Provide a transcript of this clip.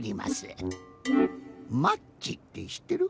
マッチってしってる？